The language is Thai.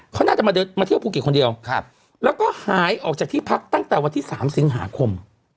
เขาน่าจะมาเดินมาเที่ยวภูเก็ตคนเดียวแล้วก็หายออกจากที่พักตั้งแต่วันที่๓สิงหาคม